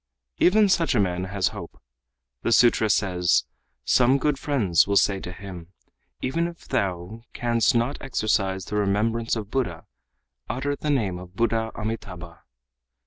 "Even such a man has hope. The sutra says: 'Some good friend will say to him: Even if thou canst not exercise the remembrance of Buddha, utter the name of Buddha Amitabha.